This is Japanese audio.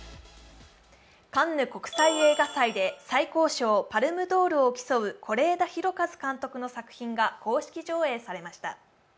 カンヌ国際映画祭で最高賞パルムドールを競う是枝裕和監督の作品が公式上映されました。